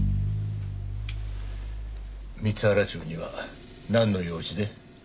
光原町にはなんの用事で？